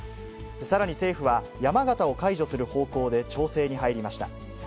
さらに政府は、山形を解除する方向で調整に入りました。